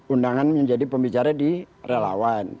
undangan menjadi pembicara di relawan